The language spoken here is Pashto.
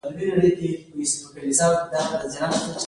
موږ باید د خپلې ژبې د بډاینې لپاره مټې رابډ وهو.